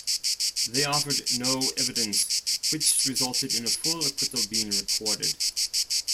They offered 'no evidence' which resulted in a full acquittal being recorded.